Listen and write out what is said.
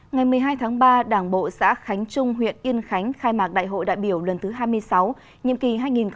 ngày một mươi hai tháng ba đảng bộ xã khánh trung huyện yên khánh khai mạc đại hội đại biểu lần thứ hai mươi sáu nhiệm kỳ hai nghìn hai mươi hai nghìn hai mươi năm